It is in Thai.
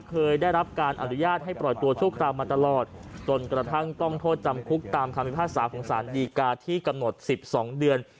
เคยได้รับการอนุญาตให้ปล่อยตัวชั่วคราวมาตลอดจนกระทั่งต้องโทษจำคุกตามคำพิพากษาของสารดีกาที่กำหนด๑๒เดือน